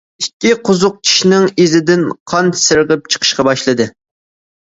ئىككى قوزۇق چىشىنىڭ ئىزىدىن قان سىرغىپ چىقىشقا باشلىدى.